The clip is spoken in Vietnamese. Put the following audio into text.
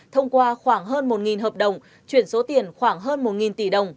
thông qua khoảng hơn một hợp đồng chuyển số tiền khoảng hơn một tỷ đồng